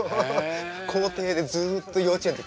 校庭でずっと幼稚園の時。